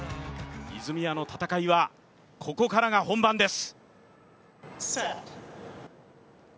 泉谷の戦いはここからが本番です。